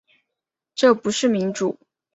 这不是民主